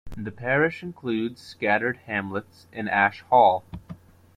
The parish includes scattered hamlets and Ashe Hall.